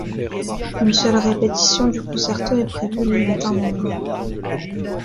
Une seule répétition du concerto est prévue le matin même.